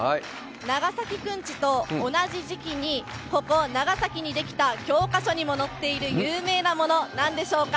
長崎くんちと同じ時期に、ここ、長崎に出来た教科書にも載っている有名なもの、なんでしょうか？